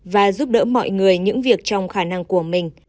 và giúp đỡ mọi người những việc trong khả năng của mình